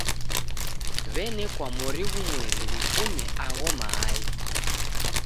W'enekwa mori ghumweri w'ifume agho maaghi.